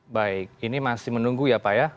baik ini masih menunggu ya pak ya